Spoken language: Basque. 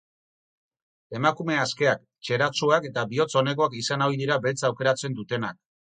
Emakume askeak, txeratsuak eta bihotz onekoak izan ohi dira beltza aukeratzen dutenak.